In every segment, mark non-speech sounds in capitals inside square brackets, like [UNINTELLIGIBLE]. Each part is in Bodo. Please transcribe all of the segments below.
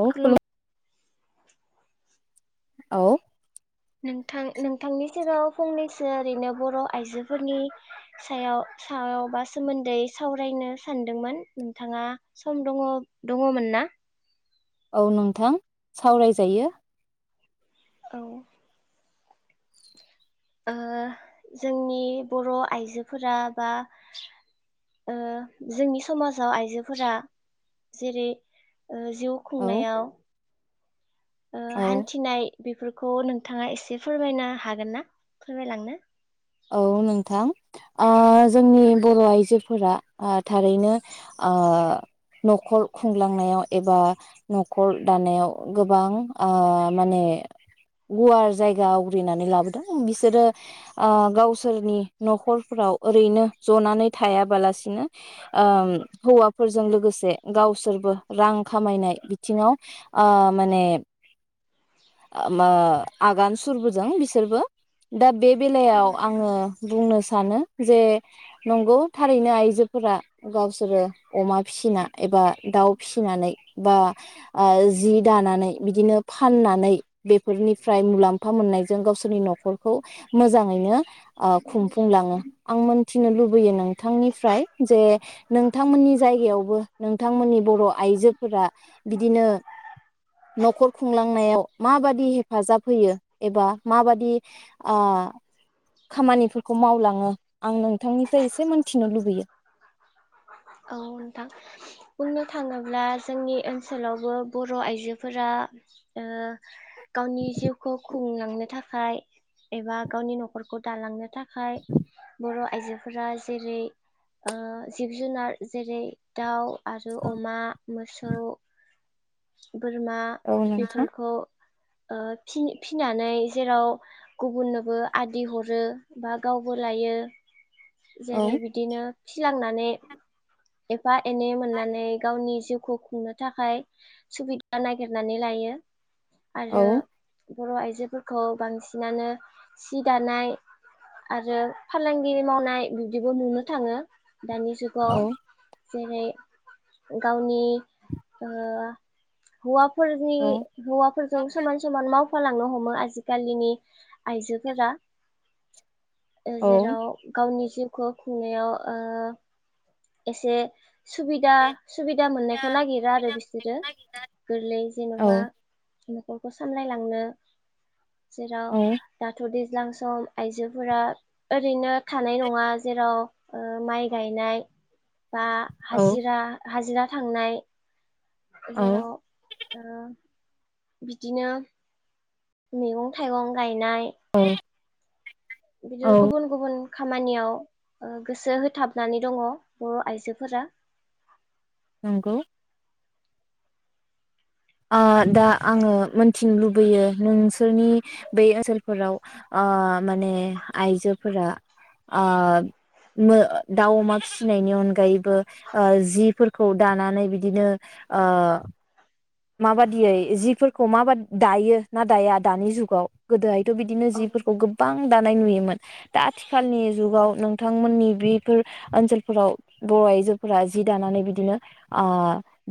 औ खुलुम खु औ नोंथां नोंथांनि सिगाङाव फंनैसो ओरैनो बर' आइजोफोरनि सायाव सायाव बा सोमोन्दै सावरायनो सानदोंमोन नोंथाङा सम दङ दङमोन ना? औ नोंथां सावरायजायो। औ ओ जोंनि बर' आइजोफोरा बा ओ जोंनि समाजाव आइजोफोरा जेरै ओ जिउ औ खुंनायाव ओ औ हान्थिनाय बेफोरखौ नोंथाङा एसे फोरमायनो हागोन ना फोरमायलांनो? औ नोंथां ओ जोंनि बर' आइजोफोरा ओ थारैनो ओ न'खर खुंलांनायाव एबा न'खर दानायाव गोबां आ माने गुवार जायगा आवग्रिनानै लाबोदों बिसोरो ओ गावसोरनि न'खरफ्राव ओरैनो ज'नानै थायाबालासिनो ओम हौवाफोरजों लोगोसे गावसोरबो रां खामायनाय बिथिङाव ओ माने ओ मा आगान सुरबोदों बिसोरबो दा बे बेलायाव थारैनो आङो नंगौ बुंनो सै सानो जे नंगौ थारैनो आइजोफोरा गावसोरो अमा फिसिना एबा दाव फिसिनानै बा ओ जि दानानै बिदिनो फाननानै बेफोरनिफ्राय मुलाम्फा मोननायजों गावसोरनि न'खरखौ मोजाङैनो ओ खुंफुंलाङो आं मोनथिनो लुबैयो नोंथांनिफ्राय जे नोंथांमोननि जायगायावबो नोंथांमोननि बर' आइजोफोरा बिदिनो न'खर खुंलांनायाव माबादि हेफाजाब होयो एबा माबादि ओ खामानिफोरखौ मावलाङो आं नोंथांनिफ्राय एसे मोनथिनो लुबैयो? औ नोंथां बुंनो थाङोब्ला जोंनि ओनसोलावबो बर' आइजोफोरा ओ गावनि जिउखौ खुंलांनो थाखाय एबा गावनि न'खरखौ दालांनो थाखाय बर' आइजोफोरा जेरै ओ जिब जुनार जेरै दाउ आरो अमा मोसौ बोरमा औ नोंथां बेफोरखौ ओ फि-फिनानै जेराव गुबुननोबो आदि हरो बा गावबो लायो औ जेरै बिदिनो फिलांनानै बा एनै मोननानै गावनि जिव खौ खुंनो थाखाय सुबिदा नागिरनानै लायो। औ आरो बर' आइजोफोरखौ बांसिनानो सि दानाय आरो फालांगिरि मावनाय बिब्दिबो नुनो थाङो। दानि औ जुगाव जेरै गावनि ओ हौवा फोरनि औ हौवाफोरजों समान समान माव फालांनो हमो आजिखालिनि आइजोफोरा। ओ औ जेराव गावनि जिउखौ खुंनायाव ओ एसे सुबिदा सुबिदा मोननायखौ नागिरा आरो बिसोरो गोरलै जेन'बा न'खरखौ सामलायलांनो। जेराव औ दाथ' दै ज्लां सम आइजोफोरा ओरैनो थानाय नङा जेराव ओ माइ गायनाय बा हाजिरा हाजिरा थांनाय जेराव औ ओ बिदिनो मैगं थाइगं गायनाय औ बिदिनो औ गुबुन गुबुन खामानियाव ओ गोसो होथाबनानै दङ बर' आइजोफोरा। नोंगौ। आं दा आङो मोन्थिनो लुबैयो नोंसोरनि बे ओनसोलफोराव ओ माने आइजोफोरा आं मो दाउ, अमा फिसिनायनि अनगायैबो ओ जिफोरखौ दानानै बिदिनो ओ माबादियै जिफोरखौ माबाद दायो ना दाया दानि जुगाव? गोदोहाय थ'बिदिनो औ जिफोरखौ गोबां दा नाय नुयोमोन। दा आथिखालनि जुगाव नोंथांमोननि बेफोर ओनसोलफोराव बर' आइजोफोरा जि दानानै बिदिनो ओ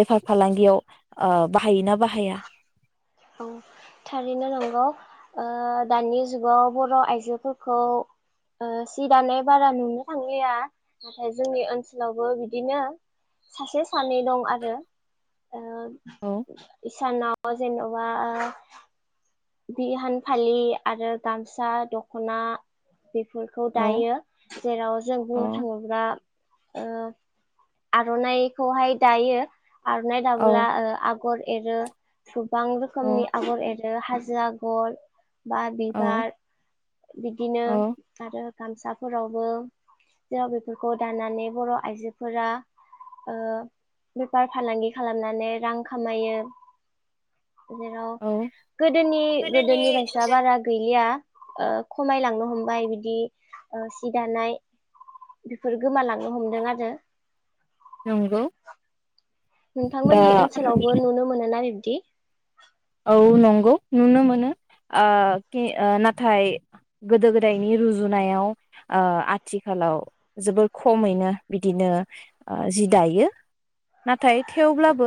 बेफार फालांगियाव ओ बाहायोना बाहाया? औ थारैनो नंगौ। ओ दानि जुगाव बर' आइजोफोरखौ ओ सि दानाय बारा नुनो थांलिया। नाथाय जोंनि ओनसोलावबो बिदिनो सासे सानै दं आरो ओ औ सानाव जेन' बा ओ बिहान फालि आरो गामसा, दख'ना बेफोरखौ औ दायो। जेराव जों औ बुंनो थाङोब्ला ओ आर'नाइखौहाय दायो। आर'नाय औ दाबोला ओ आग'र एरो थुब गोबां औ रोखोमनि आगर ए रो हाजो आग'र बा औ बिबार बिदिनो औ आरो गामसाफोरावबो जेराव बेफोरखौ दानानै बर' आइजो फोरा ओ बेफार फालांगि खालामनानै रां खामायो। जेराव औ गोदोनि गोदोनि-गोदोनि बायसा बारा गैलिया। ओ खमायलांनो हमबाय बिदि ओ सि दानाय बेफोर गोमालांनो हमदों आरो नंगौ। नोंथांमोननि दा ओनसोलावबो नुनो मोनो ना बि दि औ नंगौ। नुनो मोनो आ के आ नाथाय गोदो गोदायनि रुजुनायाव ओ आथिखालाव जोबोर खमैनो बिदिनो ओ जि दायो। नाथाय थेवब्लाबो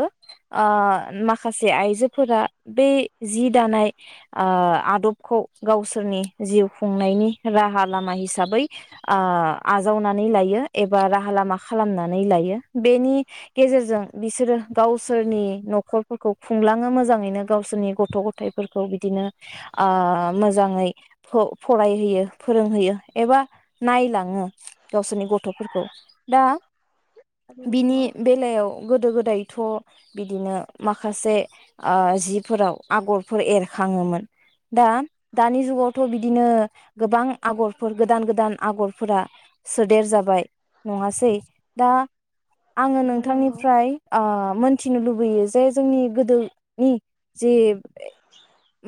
ओ माखासे आइजोफोरा बे जि दानाय आ आदबखौ गावसोरनि जिउ खुंनायनि राहा लामा हिसाबै आ आजावनानै लायो एबा राहा लामा खालामनानै लायो। बेनि गेजेरजों बिसोरो गावसोरनि न'खरफोरखौ खुंलाङो मोजाङैनो गावसोरनि गथ' गथायफोरखौ बिदिनो मोजाङै आ फ-फरायहोयो फोरोंहोयो एबा नायलाङो गावसोरनि गथ'फोरखौ। दा बिनि नंगौ बेलायाव गोदो गोदाय थ' बिदिनो माखासे ओ जिब फोराव आगरफोर एरखाङोमोन दा दानि जुगावथ' बिदिनो गोबां आगरफोर गोदान-गोदान आगरफोरा सोदेर जाबाय नङासै। दा आङो थारैनो नंगौ नोंथांनिफ्राय ओ मोन थिनो लुबैयो जे जोंनि गोदोनि जे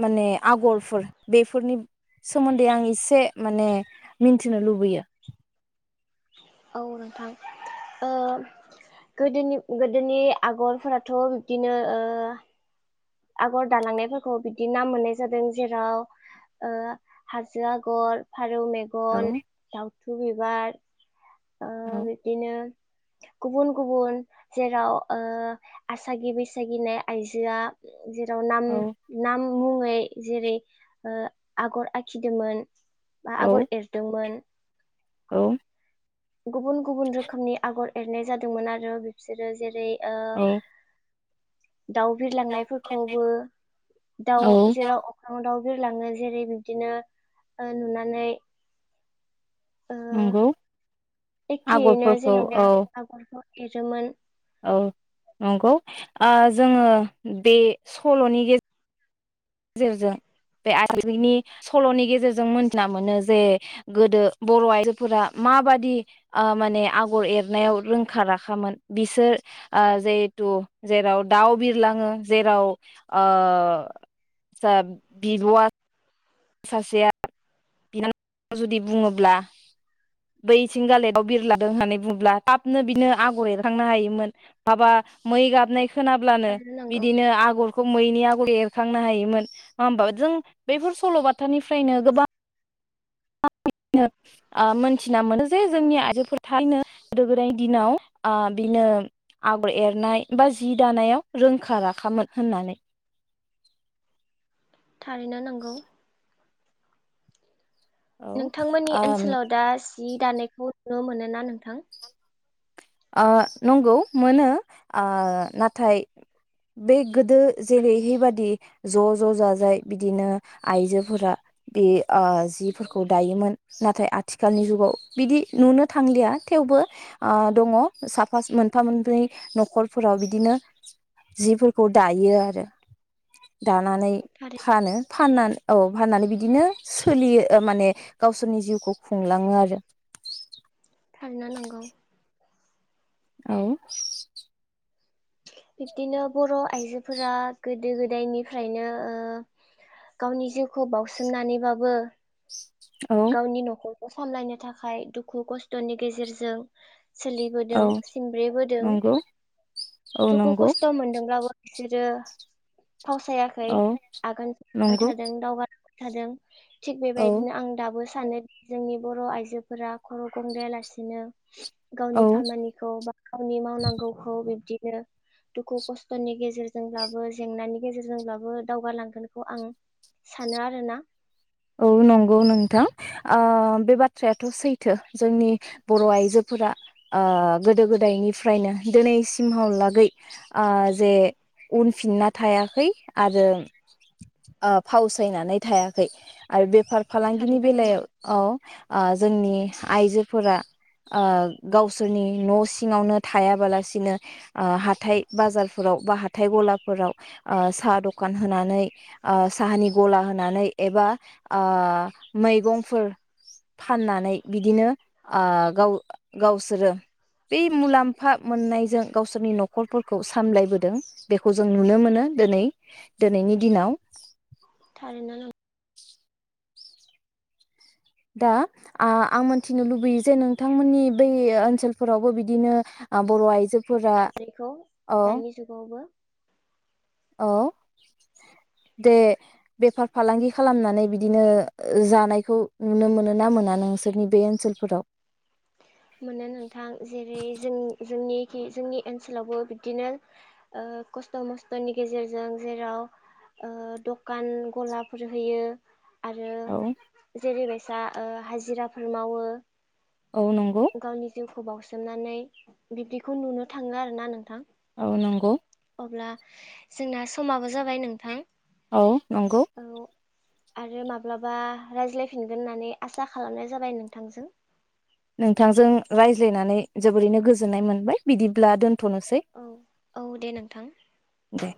माने आगरफोर बेफोरनि सोमोन्दै आं एसे माने मिन्थिनो लुबैयो। औ नोंथां ओ गोदोनि-गोदोनि आगरफोराथ' बिब्दिनो ओ आगर दालांनायफोरखौ बिदि नाम मोननाय जादों जेराव ओ हाजो आगर, फा रौ औ मेगन, दावथु बिबार, ओ औ बिदिनो गुबुन-गुबुन जेराव ओ आसागि बैसागिनाय आइजोआ जेराव औ नाम-नाम मुङै जेरै ओ आगर आखिदोंमोन। बा आगर औ एरदोंमोन। औ गुबुन-गुबुन रोखोमनि आगर एरनाय जादोंमोन आरो बिसोरो जेरै ओ दाव बिरलांनायफोरखौबो दाव औ जेराव अख्रां दाव बिरलाङो जेरै बिब्दिनो ओ नुनानै ओ नंगौ एखेयैनो आगरफोरखौ जेन'बा औ आगरखौ एरोमोन औ नंगौ ओ जोङो बे सल'नि गेजे जेरै जों बे आइथिनि सल'नि गेजेरजों मिथिना मोनो जे गोदो बर' आयजोफोरा माबादि ओ माने आगर एरनायाव रोंखा राखामोन बिसोर ओ जिहेथु जेराव दाउ बिरलाङो जेराव ओ [UNINTELLIGIBLE] सासेया बिनानाव जुदि बुङोब्ला बैथिं गालेदाव बिरलादों होननानै बुब्ला थाबनो बिनो आगर एरखांनो हायोमोन माबा मै गाबनायखौ खोनाब्लानो थारैनो नंगौ बिदिनो आगर खौ मैनि आगर एरखांनो हायोमोन होमबा जों बैफोर सल'बाथानिफ्रायनो गोबां मोन थिना मोनो जे जोंनि आइजोफोर थारैनो गोदो गोदायनि दिनाव ओ बिनो आगर एरनाय बा जि दानायाव रोंखा राखामोन होननानै। थारैनो नंगौ औ नोंथांमोननि ओम ओनसोलाव दा जि दानायखौ नुनो मोनो ना नोंथां? ओ नंगौ मोनो नाथाय बे गोदो जेरैहैबादि ज' ज' जाजाय बिदिनो आइजोफोरा बे ओ जिफोरखौ दायोमोन नाथाय आथिखालनि जुगाव बिदि नुनो थांलिया थेवबो ओ दङ साफा मोनफा मोननै न'खरफोराव बिदिनो जिफोरखौ दायो आरो दानानै थारै फानो फाननानै औ फाननानै बिदिनो सोलियो माने गावसोरनि जिउखौ खुंलाङो आरो थारैनो नंगौ औ बिब्दिनो बर' आइजोफोरा गोदो गोदायनिफ्रायनो ओ गावनि जिउखौ बावसोमनानैबाबो औ गावनि न'खर सामलायनो थाखाय दुखु खस्थ'नि गेजेरजों औ सोलिबोदों सिमब्रेबोदों नंगौ औ दुखु नंगौ खस्थ' मोनदोंब्लाबो बिसोरो फावसायाखै औ आगोन सुरबाय नंगौ थादों दावगा थादों थिग औ बेबायदिनो आं दाबो सानो जोंनि बर' आइजोफोरा खर' गंलायालासिनो औ गावनि खामानिखौ बा गावनि मावनांगौखौ बिब्दि दुखु खस्थ'नि गेजेरजोंब्लाबो जेंनानि गेजेरजोंब्लाबो दावगालांगोनखौ आं सानो आरोना औ नंगौ नोंथां ओ बे बाथ्रायाथ' सैथो जोंनि बर' आइजोफोरा गोदो गोदायनिफ्रायनो दिनैसिमहालागै ओ जे उनफिनना थायाखै आरो फावसायनानै थायाखै आरो बेफार फालांगिनि थारैनो बेलायाव नांगौ औ ओ जोंनि आइजोफोरा ओ गावसोरनि न' सिङावनो थायाबालासिनो ओ हाथाइ बाजारफोराव बा हाथाइ गलाफोराव ओ साहा दखान होनानै ओ साहानि गला होनानै एबा ओ मैगंफोर फाननानै बिदिनो ओ गाव गावसोरो बे मुलाम्फा मोननायजों गावसोरनि न'खरफोरखौ सामलायबोदों बेखौ जों नुनो मोनो दोनै दोनैनि दिनाव थारैनो नों दा आं मोनथिनो लुबैयो जे नोंथांमोननि बै ओनसोलफोरावबो बिदिनो ओ बर' आइजो बेखौ दानि जुगावबो औ दे बेफार फालांगि खालामनानै बिदिनो जानायखौ नुनो मोनो ना मोना नोंसोरनि बे ओनसोलफोराव? मोनो नोंथां जेरै जों जोंनिखि जोंनि ओनसोलावबो बिदिनो ओ खस्थ' मस्थ'नि गेजेरजों जेराव ओ दखान गलाफोर होयो आरो औ जेरै बाय जा ओ हाजिराफोर मावो औ नंगौ बावसोमनानै बिब्दिखौ नुनो थाङो आरो ना नोंथां। औ नंगौ। अब्ला जोंना समाबो जाबाय नोंथां औ नंगौ औ। आरो माब्लाबा रायज्लायफिनगोन होननानै आसा खालामनाय जाबाय नोंथांजों। नोंथांजों रायज्लायनानै जोबोरैनो गोजोननाय मोनबाय बिदिब्ला दोन दोनथ'नोसै औ औ दे नोंथां दे।